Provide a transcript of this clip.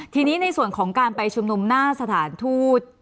ทีนี้ในส่วนของการไปชุมนุมหน้าสถานทูต